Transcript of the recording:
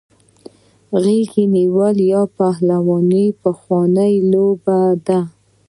غیږ نیول یا پهلواني پخوانۍ لوبه ده.